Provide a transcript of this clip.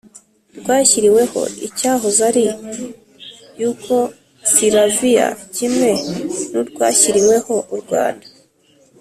rwashyiriweho icyahoze ari yugosilaviya kimwe n'urwashyiriweho u rwanda